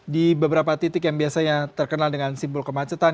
di beberapa titik yang biasanya terkenal dengan simbol kemacetan